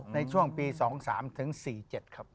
ในช่วงปี๒๓ถึง๔๗ครับ